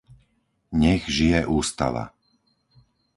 Nech žije Ústava!